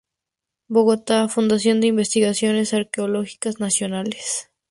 Bogotá: Fundación de Investigaciones Arqueológicas Nacionales.